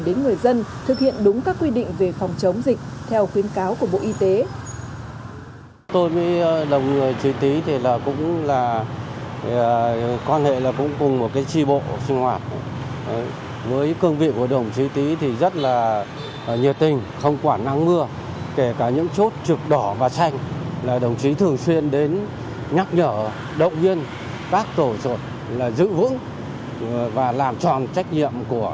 chính người dân thực hiện đúng các quy định về phòng chống dịch theo khuyến cáo của bộ y tế